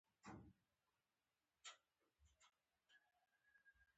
چې یو کالم د بڼې له مخې څنګه ولیکو.